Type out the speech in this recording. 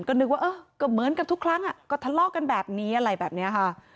ก็นึกว่าเออก็เหมือนกับทุกครั้งก็ทะเลาะกันแบบนี้อะไรแบบนี้ค่ะ